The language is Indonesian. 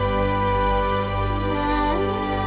marum sekali tuh